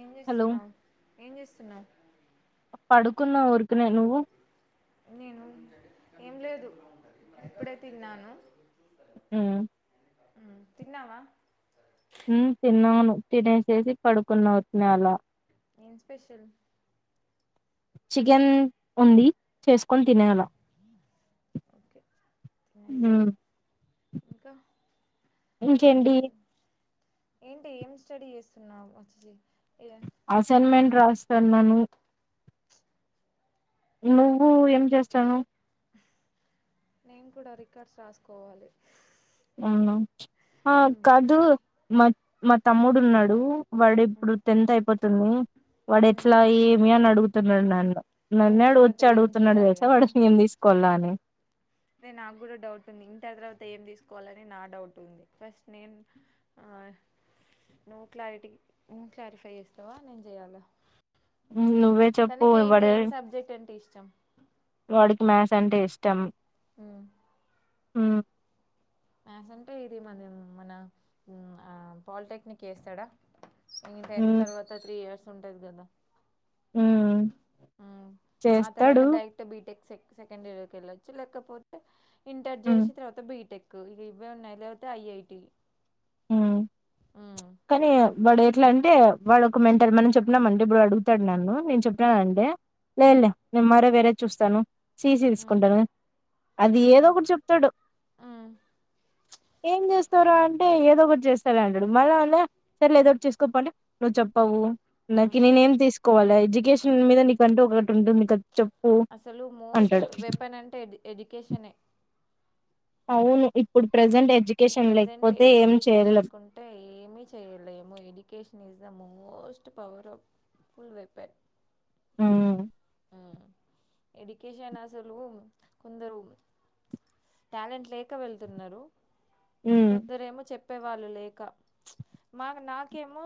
ఏం హలో చేస్తున్నావు ఏం జేస్తున్నావు పడుకున్న ఊర్కనే నువ్వు నేను ఏం లేదు ఇప్పుడై తిన్నాను ఉమ్ తిన్నావా ఉమ్ తిన్నాను తినేసేసి పడుకున్న వుత్నే అలా ఏం స్పెషల్ చికెన్ వుంది చేస్కొన్ మ్మ్. తినేయాల ఓకే తినేసి ఉమ్ ఇంకా ఏం ఇంకేంటి జరుగు ఏంటి ఏం స్టడీ జేస్తున్నావ్ ఒచ్ అసైన్మెంట్ రాస్తాన్నాను నువ్వు ఏం చేస్తాన్నవ్ నేను కూడా రికార్డ్స్ రాసుకోవాలె ఏమన్నా ఆ మ్మ్. కాదు మా మా తమ్ముడున్నాడు, మ్మ్. వాడిప్పుడు టెన్త్ అయిపోతుంది. మ్మ్. వాడెట్లా ఏమి అని అడుగుత్ నన్నే టెన్త్ ఆడు తర్వాత వచ్చి ఏం అడుగుతున్నాడు చేయాలి తెల్సా వాడు ఏం తీసుకోవల్ల అని తె నాగ్గుడా డౌట్ ఉంది ఇంటర్ తర్వాత ఏం తీసుకోవాలని నా డౌట్ ఉంది ఫస్ట్ నేన్ నో క్లారిటీ నువ్వు క్లారిఫై చేస్తావా నేన్ జేయాలా నువ్వే చెప్పు ఇవడ్ చం వాడికి మ్యాస్ అంటే ఇష్టం హ్మ్ ఉమ్ మ్యాసంటే అంటే ఇది మన మన ఉమ్ ఆ పాలిటెక్నిక్ చేస్తడా? ఈ టెన్త్ హ్మ్ తర్వాత త్రీ ఇయర్స్ ఉంటది గదా హ్మ్ ఉమ్ ఆ తర్వాత చేస్తాడు. డైరెక్ట్ బిటెక్ సెక్ సెకండ్ ఇయర్కి వెళ్ళొచ్చు లేకపోతే ఇంటర్ హ్మ్ చేసి తర్వాత బీటెక్ ఇవేవన్న వెళ్ళితే ఐఐటి ఉమ్ మ్మ్. కానీ వాడు ఎట్లా అంటే వాడు ఒక మెంటర్ మనం చెప్పినామంటే ఇప్పుడు అడుగుతాడు నన్ను నేను చెప్పినాను మ్మ్. అంటే మ్మ్. లేదులే నేను మర వేరే చూస్తాను సిఇసి హ్మ్. తీసుకుంటాను అది ఏదో హ్మ్. ఒకటి చెప్తాడు హ్మ్. ఏం చూస్తావ్ రా అంటే ఏదో ఒకటి చేస్తా అంటడు మళ్ళ అ సరేలే ఏదో హ్మ్. ఒకటి చేసుకోపో అంటే నువ్వు చెప్పవు నాకి హ్మ్. నేను తీసు కోవాల ఎడ్యుకేషన్ మీద నకుకంటే ఒకటి ఉంటుంది చెప్పు అసలు మోస్ట్ అంటాడు. వెపెన్ అంటే ఎడ్యుకేషనే అవును ఇప్పుడు ప్రెజెంట్ ఈ ఎడ్యుకేషన్ ప్రజెంట్ లేకపోతే ఏం ఎడ్యుకేషన్ చేయలేం. లేకుంటే ఏమి చేయలేము education is most power of full weapon um education అసలు కొందరు టాలెంట్ లేక వెళ్తున్నారు హ్మ్ కొందరేమో చెప్పేవాళ్ళు లేక మా నాకేమో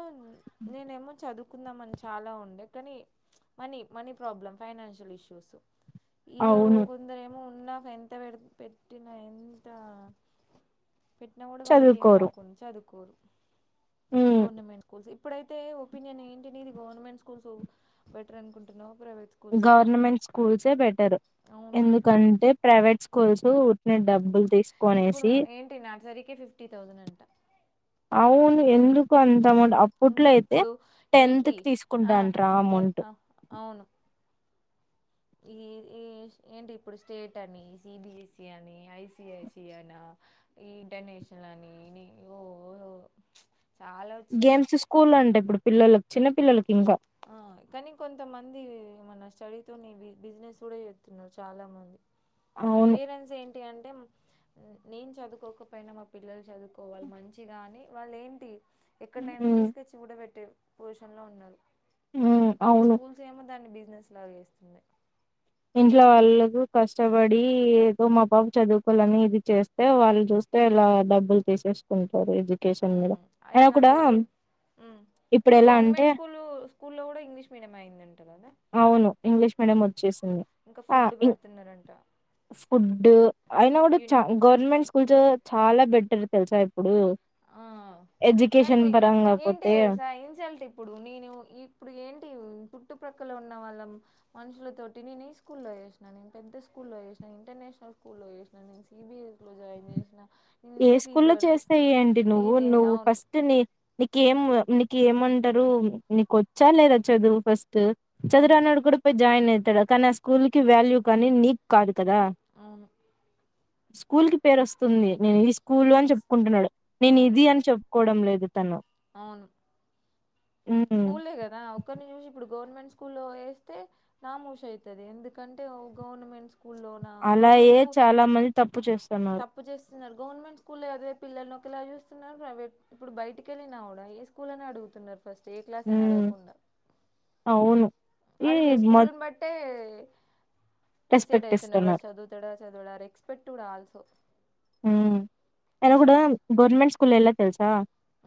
నేనేమో చదువుకుందాం అని చాలా ఉండే కానీ money money problem financial issues ఇగా అవును కొందరేమో ఉన్నాకు ఎంత పె పెట్టిన ఎంత పెట్టినా కూడా వాళ్ళకి ఏం చదువుకోరు. రాకుం చదువుకోరు హ్మ్ గవర్నమెంట్ స్కూల్ ఇప్పుడైతే ఒపీనియన్ ఏంటిని ఇది గవర్నమెంట్ స్కూల్స్ బెటర్ అనుకుంటున్నావా ప్రైవేట్ స్కూల్సా గవర్నమెంట్ స్కూల్సే బెటర్ అవును ఇప్పుడు ఎందుకంటే ప్రైవేట్ స్కూల్స్ ఉట్టినే డబ్బులు ఇప్పుడు తీసుకొనేసి ఏంటి నర్సరీకే ఫిఫ్టీ తౌసండ్ అవును ఎందు అమౌంట్ ఇంక అప్పట్లో అయితే ఇప్పుడు టెన్త్ ఏంటి కి తీసుకుంటాంట ఆ టెన్ అమౌంట్ ఆ అవును ఈ ఏంటి ఇప్పుడు స్టేట్ అని సిబిఎస్సి అని ఐసిఐసి అనా ఈ ఇండోనేషలని నిఓ గేమ్స్ స్కూల్ అంట ఇప్పుడు పిల్లలకి చిన్న పిల్లలకి ఇంకా ఆ కానీ కొంతమంది మన స్టడీతోని బిజినెస్ కూడా చేస్తున్నారు చాలా మంది అవును పేరెంట్స్ ఏంటి అంటే నేను చదువుకోకపోయినా మా పిల్లలు చదువుకోవాలి మంచిగాని వాళ్ళ ఏంటి ఎక్కడ నైనా మ్మ్ తీసుకొచ్చి ఊడబెట్టే పొజిషన్ లో ఉన్నారు మ్మ్ కొన్ని అవును స్కూల్స్ ఏమో దాన్ని బిజినెస్ లాగా చేస్తున్నారు ఇంట్లో వాళ్ళకు కష్టపడి ఏదో మా పాబు చదువుకోవాలని ఇది చేస్తే వాళ్ళు చూస్త ఇలా డబ్బులు తీసేసుకుంటారు ఎడ్యుకేషన్ మీద అయినా కూడా ఉ ఇప్పుడు ఎలా అంటే గవర్నమెంట్ స్కూల్ స్కూల్లో కూడా ఇంగ్లీష్ మీడియం అయ్యిందంట కదా అవును ఇంగ్లీష్ మీడియం వచ్చేసింది ఇంకా ఆ ఫుడ్ ఇం పెడుతున్నారంట ఫుడ్ అయినా కూడా చ యూనిఫ్ గవర్నమెంట్ స్కూల్స్ చాలా బెటర్ తెలుసా ఇప్పుడు ఆ కానీ ఎడ్యుకేషన్ పరంగా ఏంటి పోతే స ఇన్సల్ట్ ఇప్పుడు నేను ఇప్పుడు ఏంటి చుట్టు పక్కల ఉన్న వాళ్ళ మనుషుల తోటి నేను ఈ స్కూల్లో చేసిన నేను పెద్ద స్కూల్లో లో చేసిన ఇంటర్నేషనల్ స్కూలో చేసిన నేను సిబిఎస్ లో జాయిన్ చేసిన నేను ఏ ఇంత ఫీజు స్కూల్లో కడుతున్నా చేస్తే ఏంటి నువ్వు ఇది ఏంది నువ్వు అవును ఫస్ట్ నీ ఉమ్, నీకేం నీకి ఏమంటారు నీకొచ్చ లేదా చదువు ఫస్ట్ చదువు అవును రానోడు కూడా పో జాయిన్ అయితడు కానీ ఆ స్కూల్ కి వాల్యూ కానీ నీక్ కాదు కదా అవును స్కూల్ కి పేరు వస్తుంది నేను ఈ స్కూల్ అని ఫస్ట్ చెప్పుకుంటున్నాడు నేను అవును ఇది అని చెప్పుకోవడం లేదు తను అవును ఉమ్ స్కూల్ కదా ఒక్కరిని చూసి ఇప్పుడు గవర్నమెంట్ స్కూల్లో వేస్తే నామోషి అయితధి ఎందుకంటే ఓ గవర్నమెంట్ స్కూ స్కూల్లోన నా గవర్నమెంట్ అలాగే స్కూల్ చాలా మంది తప్పు చేస్తున్నారు తప్పు చేస్తున్నారు గవర్నమెంట్ స్కూల్ ఏదై పిల్లల్ని ఒకలా చూస్తున్నారు ప్రైవేట్ ఇప్పుడు బయటికి వెళ్ళినా కూడా ఏ స్కూల్ అని అడుగుతున్నారు ఫస్ట్ ఏ క్లాస్ అని ఉమ్ అడగకుండా అవును ఈ వాడికి మ స్కూల్ని బట్టే డిసైడ్ రెస్పెక్ట్ అయితున్నారు వా ఇస్తున్నారు. చదువుతాడా చదువాడా రెస్పెక్ట్ గూడ అల్సొ హ నను కూడా గవర్నమెంట్ స్కూల్ ఎలా తెలుసా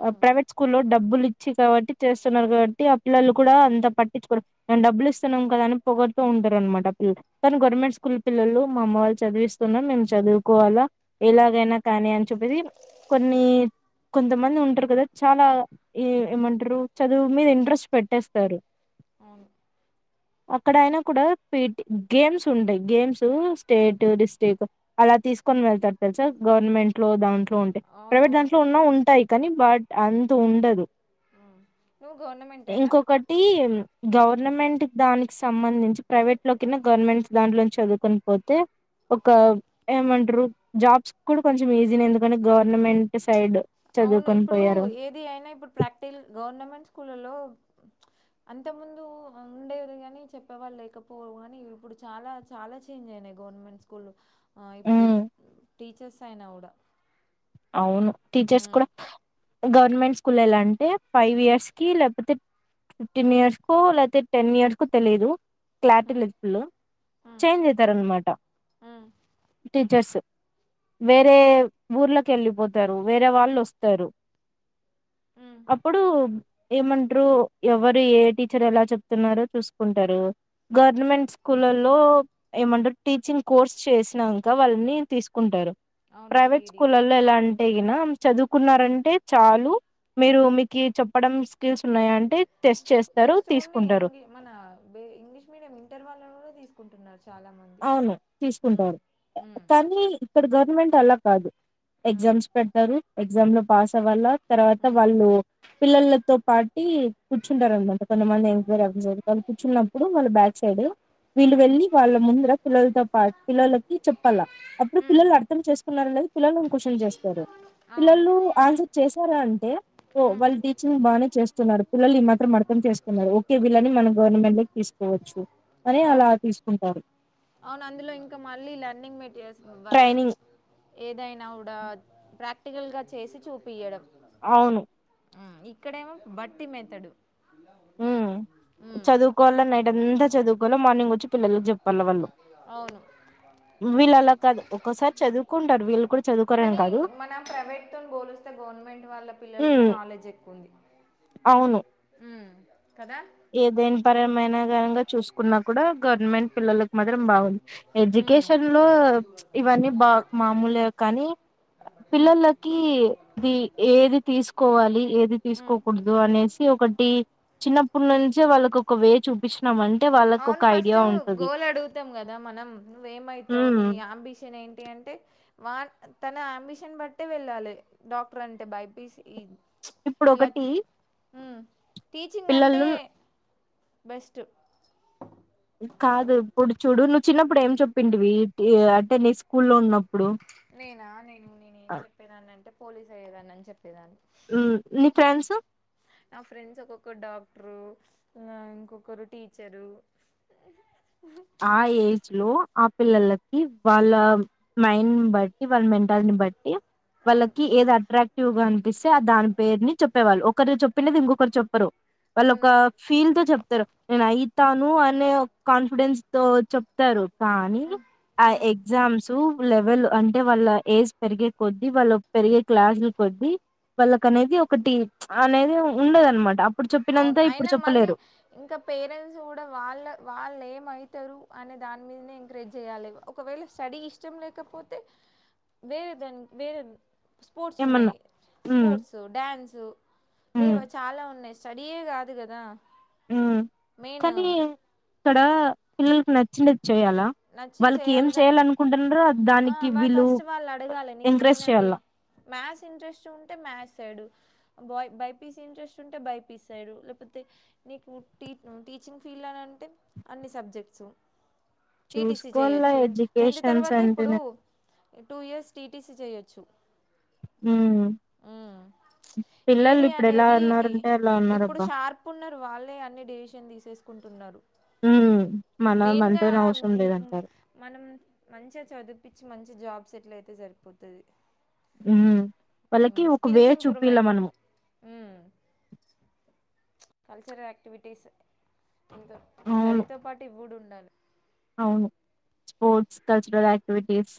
ఉమ్ ప్రైవేట్ స్కూల్ లో డబ్బులు ఇచ్చి కాబట్టి చేస్తున్నారు కాబట్టి ఆ పిల్లలు కూడా అంత పట్టించుకో మేము డబ్బులు ఇస్తున్నాం కదా అని పొగడుతూ ఉంటారు అనమాట పిల్లలు కానీ గవర్నమెంట్ స్కూల్ పిల్లలు మా అమ్మ వాళ్ళు చదివిస్తున్న మేము చదువుకోవాలా ఉమ్ ఎలాగైనా కానీ అని చెప్పేసి కొన్ని కొంతమంది ఉంటారు కదా చాలా ఏమంటారు చదువు మీద ఇంట్రెస్ట్ పెట్టేస్తారు అ అక్కడయినా కూడా పిటి గేమ్స్ ఉండయి గేమ్స్ స్టేట్ డిస్ట్రిక్ట్ అలా తీసుకుొని వెళ్తారు తెలుసా గవర్నమెంట్ లో దాంట్లో ఉంటాయి ప్రైవేట్ అవునవును దాంట్లో ఉన్న ఉంటాయి కానీ బట్ అంత ఉండదు నువు గవర్నమెట్ ఇంకొకటి గవర్నమెంట్ దానికి సంబంధించి ప్రైవేట్ లో కన్నా గవర్నమెంట్ దాంట్లో చదువుకుని పోతే ఒక ఏమంటారు జాబ్స్ కూడా కొంచెం ఈజీ నే ఎందుకంటే గవర్నమెంట్ సైడ్ అవును చదువుకొని ఇప్పుడు పోయారు ఏది అయినా ఇప్పుడు ప్రాక్టికల్ గవర్నమెంట్ స్కూల్లలో అంత ముందు ఉండేది గాని చెప్పేవాళ్ళు లేకపోరు కానీ ఇప్పుడు చాలా చాలా చేంజ్ అయినాయి గవర్నమెంట్ స్కూల్ ఇప్పుడు హ్మ్. టీచర్స్ అయినా కూడా అవును టీచర్స్ ఉమ్, కూడా గవర్నమెంట్ స్కూల్ ఎలా అంటే ఫైవ్ ఇయర్స్కిి లేకపోతే ఫిఫ్టీన్ ఇయర్స్ కు లేకపోతే టెన్ ఇయర్స్ కో తెలియదు క్లారిటీ ఉమ్, లెప్పులు ఉమ్, చేంజ్ అయితర్యనమాట ఉమ్, టీచర్స్ వేరే ఊర్ళకి వెళ్ళిపోతారు వేరే వాళ్ళు వస్తారు ఉ అప్పుడు ఏమంటారు ఎవరు ఏ టీచర్ ఎలా చెప్తున్నారో చూసుకుంటారు గవర్నమెంట్ స్కూలలో ఏమంటారు టీచింగ్ కోర్స్ చేసినాక వాళ్ళని తీసుకుంటారు అవును బిఈడి స్కూల్లో ఎలా అంటే గిన చదువుకున్నారంటే చాలు మీరు మీకు చెప్పడం స్కిల్స్ ఉన్నాయా అంటే టెస్ట్ చేస్తారు జస్ట్ ఓన్లీ తీసుకుంటారు ఇంగ్ మన ఇంగ్లీష్ మీడియం ఇంటర్ వాళ్ళ కూడా తీసుకుంటున్నారు చాలామంది అవును ఉమ్, తీసుకుంటారు ఉమ్, కానీ ఇక్కడ గవర్నమెంట్ అలా కాదు ఉమ్, ఎగ్జామ్స్ పెడతారు ఎగ్జామ్ లో పాస్ అవ్వాలా తర్వాత ఉమ్, వాళ్ళు పిల్లల తో పాటి కూర్చుంటారు అనమాట కొంతమంది ఎంక్వైర్వ సైడ్ళ్ు కూర్చున్నప్పుడు వాళ్ళు బ్యాక్ సైడ్ వీళ్ళు ఉమ్, వెళ్ళి వాళ్ళ ముందు పిల్లలతో పాటు పిల్లలకి చెప్పాలా అప్పుడు ఉమ్, పిల్లలు అర్థం చేసుకున్నారు లే పిల్లలను క్యూషన్ చేస్తారు అవును పిల్లలు ఆన్సర్ చేశారా అంటే ఉమ్. వాళ్ళు టీచింగ్ బాగానే చేస్తున్నారు పిల్లలు ఈ మాత్రం అర్ధం చేసుకున్నారు ఒకే విల్లని మనం గవర్నమెంట్ తీసుకోవచ్చు అని అలా అవును తీసుకుంటారు అవును అందులో ఇంకా మళ్ళీ లెర్నింగ్ మీట్ చేస్త ట్రైనింగ్ ఏదైనా కూడా ప్రాక్టికల్గా చేసి చూపియ్యడం అవును ఆ ఇక్కడేమో బట్టి మెతడు ఉ మ్మ్ చదువుకోవాల నైట్ అంతా చదువుకోల మార్నింగ్ వచ్చి పిల్లలకి చెప్పాల వాళ్ళు అవును వీళ్ళు అలా కాదు ఒక్కోసారి చదువుకుంటారు వీళ్ళు కూడా చదువుకోరని కానీ కాదు మన ప్రైవేట్తో పోలిస్తే గవర్నమెంట్ వాళ్ళ పిల్లలకే హ్మ్ నాలెడ్జ్ ఎక్కువుంది. అవును ఏదైైన్ పరమ్ మైనేనంగా చూసుకున్నా కూడా గవర్నమెంట్ పిల్లలలకు మాత్రం బాగుంది. మ్మ్ ఎడ్యుకేషన్ లో ఇవన్నీ బాగ్ మామూలే కానీ మ్మ్ పిల్లలకి ది ఏది తీసుకోవాలి ఏది మ్మ్ తీసుకోకూడుదు అనేసి ఒకటి చిన్నప్పుటి నుంచే వాళ్ళకొక్క వే చూపించినాం అంట్ అవును ఫస్ట్ గోల్ అడుగుతాం కదా మనం నువ్ ఏమవుతావ్ హ్మ్ నీ అంబిషన్ ఏంటి అంటే. వాన్ తన అంబిషన్ బట్టే వెళ్ళాలే డాక్టర్ అంటే బైపీసి చ్ ఇప్పుడు ఇలా ఒకటి ఉ టీచింగ్ అంటే పిల్లలు బెస్ట్ కాదు ఇప్పుడు చూడు నువ్ చిన్నప్పుడు ఏం చెప్పింటివి టియా అంటే ననీ స్కూల్లో ఉన్నప్ నేనా నేను నేనే ఏం చెప్పేదన్నంటే పోలీస్ అయ్యేదానన్ అని చెప్ చొప్పేదాన్ని నీ ఫ్రెండ్స్ నా ఫ్రెండ్స్ ఒక్కొక్క డాక్ డాక్టరు ఇంకొకరు టీచరు ఆ ఏజ్ లో ఆ పిల్లలకి వాళ్ళ మైండ్ బట్టి వాళ్ళ మెంటాలిటీ బట్టి అవును వాళ్ళకి ఏది అట్రాక్టివ్ గా అనిపిస్తే దాని పేరుని చెప్పేవాళ్ళు ఒకరు చెప్ చెప్పిండేది ఇంకొకరు చొప్పరు వాళ్ళు ఒక అవును ఫీల్ తో చొప్తారు నేను అయిత్ తాను అనే కాన్ఫిడెన్స్ తో చెప్తారు కానీ ఆ ఉమ్. ఎగ్జామ్స్ టూప్ లెవెలు అంటే వాళ్ళ ఏజ్ పెరిగే కొద్దీ వాళ్ళ పెరిగే క్లాస్లు కొద్దీ వాళ్ళకనేది ఒకటి అనేది ఉండదనమాట అప్ అవును అయినా మళ్ళీ ఇంకా పేరెంట్స్ కూడా వాళ్ళ వాళ్ అసలేమ్ అవుతారు అనే దాని మీదనే ఎంకరేజ్ చేయాలి ఒకవేళ స్టడీ ఇష్టం లేకపోతే. వేరేదన్క్ వేరే స్పోర్ట్స్ ఏమన్నా ఉన్నాయ్ ఉమ్ స్పోర్ట్సు డ్యాన్సు ఉమ్ లేవా చాలా ఉన్నాయ్ స్టడీయె కాదు కదా మెయిను తడ పిల్లలకు నచ్చిండేది చేయాలా నచ్చింది వాళ్ళకి ఏం చేయాలి కానీ చేయ్యాలనుకుంటున్నారో ఆ దానికి వాళ్ వీళ్ళు ఎంకరేజ్ చేయ్యాలా. మ్యాస్ ఇంట్రెస్ట్ ఉంటే మ్యాస్ సైడు బాయ్ బైపీసి ఇంట్రెస్ట్ ఉంటే బైపీసైడు లేకపోతే నీకు టీచ్ టీచింగ్ ఫీల్లన అన్ అంటే అన్ని సబ్జెక్ట్సు టీటిసీ చూసుకోవాల చేయొచ్చు ఇన్ టెన్త్ ఎడ్యుకేషన్స్ తర్వాత ఇప్పుడు అంటేనే టూ ఇయర్స్ టీటీసీ చేయొ చ్చు ఉ ఏది అనేది ఇప్పుడు ఉన్నారబ్బా షార్ప్ ఉన్నారు వాళ్ళే అన్ని డివిషన్ తీసేసుకుంటున్నారు. ఉ మన మెయిన్గా అంతొ అవసరం మీ లేదంటారు మనం మంచిగా చదిపించి మంచి జాబ్ సెటిల్ అయితే సరిపోతది. ఉ వాళ్ళకి ఒక వే చూపిల్ల ఇంప్రూవ్మెంట్ మనము చ్ కల్చరల్ యాక్టివిటీస్ ఇంతో అవును స్టడీతో పాటి ఇవి కూడ ఉండాలి. అవును స్పోర్ట్స్ కల్చరల్ ఆక్టివిటీస్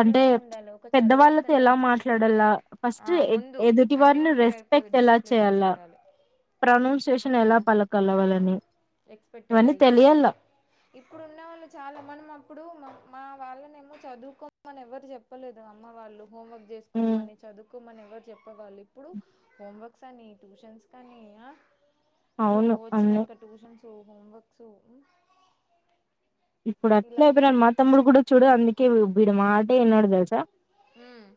అంటే ఉండాలి ఒక చదువు పెద్దవాళ్ళతో వస్తేనే ఎలా మాట్లాడలా ఫస్ట్ ఆ ఎద్ ముందు ఎదుటి అన్నీ వారిని ఉంటే రె సరిపోదు డిసిప్లిన్ కూడా ఉండాలా ప్రొనౌన్సియేషన్ ఎలా పలకల్ల వాళ్లని రెస్పెక్ట్ ఎలా ఇవన్నీ ఇయ్యాలి తెలియాల్ల. ఇప్పుడు ఉన్న వాళ్ళు చాలా మనం అప్పుడు మ మా వాళ్ళని ఏమో చదువుకో అని ఎవరు చెప్పలేదు అమ్మ వాళ్ళు. హోమ్ వర్క్ హ్మ్ చేసుకోమని చదు కుమని ఎవరు చెప్పేవాళ్ళు ఇప్పుడు హోమ్వర్క్స్ అని ట్యూషన్స్ అని ఓ అవును అవును వచ్చినంక ట్యూషన్స్ హోమ్వర్క్సు ఇప్పుడు అట్లా అయిపోయినరు మా తమ్ముడు కూడా చూడు అందుకే వీడు మాటే వినడు తెలుసా. ఉమ్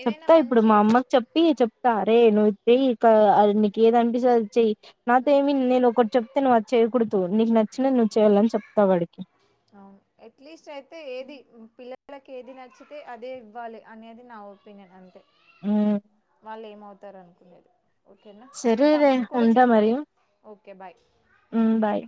ఏదైనా చెప్తా ఇప్పుడు మంచి మా అమ్మకి చెప్పి చొప్ త్త రే నువ్ చెయ్ కా ఆ నీకు ఏదనిపిస్తే అది చెయ్ నాతో ఉమ్ ఏమీ నేను ఒకటి చెప్తే నువ్వు అ చేయకూడదు నీకు నచ్చినవి నువ్వు చేయాలని చెప్తావాడి అవు ఎట్లీస్ట్ అయితే ఏది పిల్ల ఇళకేది నచ్చితే అదే ఇవ్వాలి అనేది నా ఒపీనియన్ అంతే హ్మ్ వాళ్ళు ఏమవుతారు అనుకునేది ఓకేనా మీ సరేలే తమ్మును కూడా ఉంటా చెప్పు మరి ఓకే బాయ్ హ్మ్ బాయ్